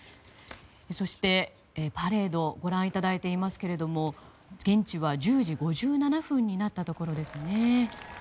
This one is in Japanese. そして、パレードをご覧いただいていますけれども現地は１０時５７分になったところですね。